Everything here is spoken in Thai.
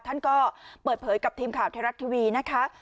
ท่านก็เปิดเผยกับทีมข่าวไทยรัฐทีวีนะคะ